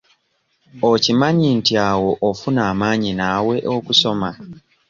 Okimanyi nti awo ofuna amaanyi naawe okusoma?